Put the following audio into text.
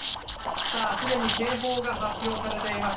すでに警報が発表されています。